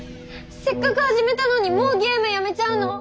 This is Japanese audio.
せっかく始めたのにもうゲームやめちゃうの？